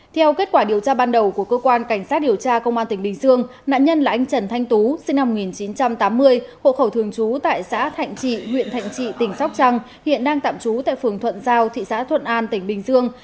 theo kết quả điều tra ban đầu của cơ quan cảnh sát điều tra công an tỉnh bình dương nạn nhân là anh trần thanh tú sinh năm một nghìn chín trăm tám mươi hộ khẩu thường trú tại xã thạnh trị huyện thạnh trị tỉnh sóc trăng hiện đang tạm trú tại phường thuận giao thị xã thuận an tỉnh bình dương